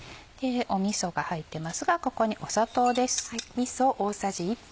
みそが入ってますがここに砂糖です。